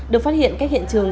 được phát hiện cách hiện trường